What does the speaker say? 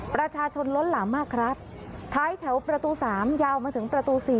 ประชาชนล้นหลามมากครับท้ายแถวประตู๓ยาวมาถึงประตู๔